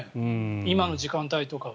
今の時間帯とかは。